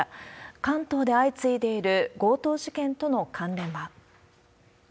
関東で相次いでいる強盗事件との関連は。